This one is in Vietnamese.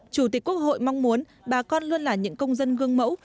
chủ tịch quốc hội mong muốn bà con luôn là những công dân gương mẫu